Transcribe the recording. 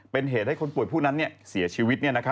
เป็นเหตุให้คนป่วยผู้นั้นเสียชีวิต